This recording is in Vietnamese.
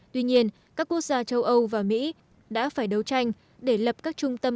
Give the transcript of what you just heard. tuy nhiên các quốc gia châu âu và mỹ đã phải đấu tranh để lập các trung tâm